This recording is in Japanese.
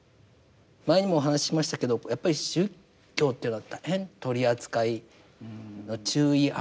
前にもお話ししましたけどやっぱり宗教っていうのは大変取り扱いの注意案件です。